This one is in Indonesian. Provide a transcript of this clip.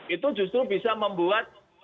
itu justru bisa membuat